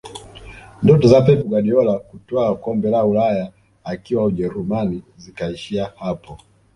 ndoto za pep guardiola kutwaa kombe la ulaya akiwa ujerumani zikaishia hapo